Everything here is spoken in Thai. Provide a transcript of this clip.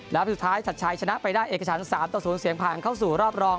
แล้วสุดท้ายชัดชัยชนะไปได้เอกฉัน๓ต่อ๐เสียงผ่านเข้าสู่รอบรอง